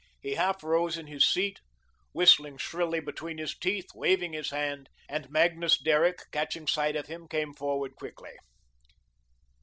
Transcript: He half rose in his seat, whistling shrilly between his teeth, waving his hand, and Magnus Derrick, catching sight of him, came forward quickly.